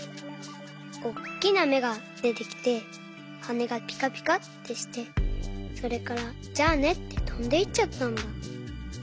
おっきなめがでてきてはねがぴかぴかってしてそれから「じゃあね」ってとんでいっちゃったんだ。